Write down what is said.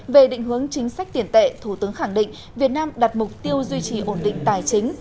về định hướng chính sách tiền tệ thủ tướng khẳng định việt nam đặt mục tiêu duy trì ổn định tài chính